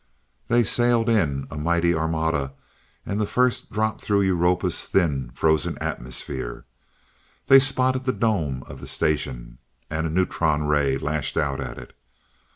They sailed in, a mighty armada, and the first dropped through Europa's thin, frozen atmosphere. They spotted the dome of the station, and a neutron ray lashed out at it.